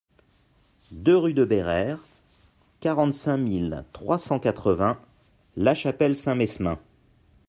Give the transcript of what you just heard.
deux rue de Béraire, quarante-cinq mille trois cent quatre-vingts La Chapelle-Saint-Mesmin